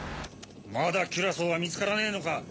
まだキュラソーは見つからねえのか。